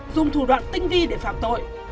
dùng thủ đoạn tinh vi để phạm tội